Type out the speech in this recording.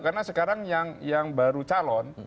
karena sekarang yang baru calon